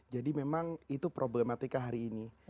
jadi memang itu problematika hari ini